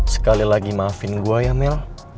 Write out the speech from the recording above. sekali lagi maafin gue ya mel